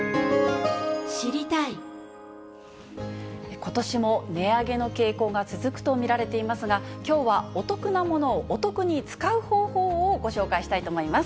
ことしも値上げの傾向が続くと見られていますが、きょうはお得なものをお得に使う方法をご紹介したいと思います。